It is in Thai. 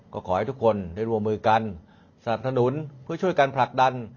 ก็ขอให้ทุกคนได้รวมมือกันสนับสนุนเพื่อช่วยกันผลักดัน